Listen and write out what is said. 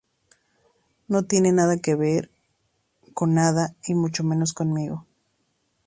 No tiene nada que ver con nada, y mucho menos conmigo".